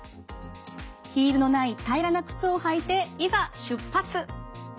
ヒールのない平らな靴を履いていざ出発。